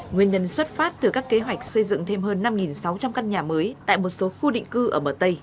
nguyên nhân xuất phát từ các kế hoạch xây dựng thêm hơn năm sáu trăm linh căn nhà mới tại một số khu định cư ở bờ tây